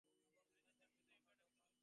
মুনির যন্ত্রের মতোই একটা ঘরে ঢুকল।